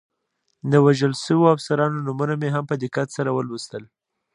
د وژل شویو افسرانو نومونه مې هم په دقت سره ولوستل.